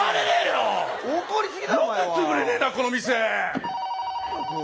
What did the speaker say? よく潰れねえなこの店！